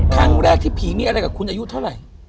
ครั้งแรกที่ผีมีอะไรกับคุณอายุเท่าไหร่